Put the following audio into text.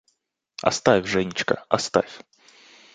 Оставь, Женечка, оставь